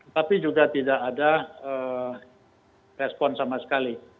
tapi juga tidak ada respon sama sekali